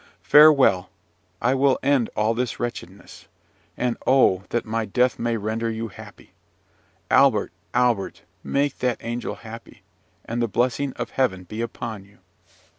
Farewell! I will end all this wretchedness. And oh, that my death may render you happy! Albert, Albert! make that angel happy, and the blessing of Heaven be upon you!"